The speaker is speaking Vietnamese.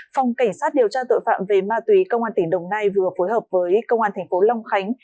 phòng cảnh sát điều tra tội phạm về ma túy công an tỉnh đồng nai vừa phối hợp với công an thành phố long khánh